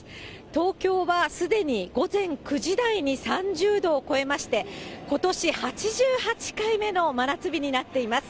東京はすでに午前９時台に３０度を超えまして、ことし８８回目の真夏日になっています。